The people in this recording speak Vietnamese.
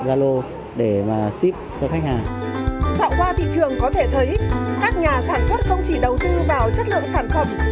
dạo qua thị trường có thể thấy các nhà sản xuất không chỉ đầu tư vào chất lượng sản phẩm